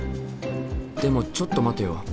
でもちょっと待てよ。